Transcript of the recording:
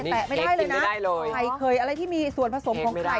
แต่ไม่ได้เลยนะอะไรที่มีส่วนผสมของใคร